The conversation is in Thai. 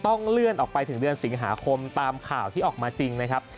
ต้องเลื่อนออกไปถึงเดือนสิงหาคมตามข่าวที่ออกมาจริงนะครับ